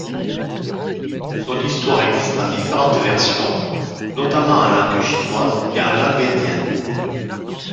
Son histoire existe en différente versions, notamment en langue chinoise et en langue indienne.